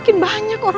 setelah dua waktu